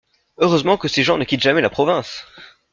Heureusement que ces gens ne quittent jamais la province !